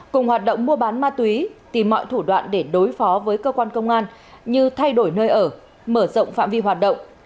cùng hoạt động mua bán ma túy tìm mọi thủ đoạn để đối phó với cơ quan công an như thay đổi nơi ở mở rộng phạm vi hoạt động